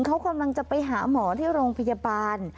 เขากำลังจะไปหาหมอที่โรงพยาบาล